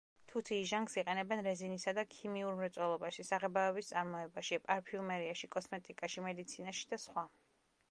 თუთიის ჟანგს იყენებენ რეზინისა და ქიმიურ მრეწველობაში, საღებავების წარმოებაში, პარფიუმერიაში, კოსმეტიკაში, მედიცინაში და სხვა.